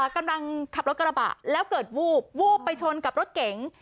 กำลังขับรถกระบะแล้วเกิดวูบวูบไปชนกับรถเก๋ง